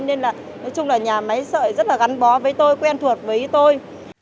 nên là nói chung là nhà máy sợi rất là gắn bó với tôi quen thuộc với tôi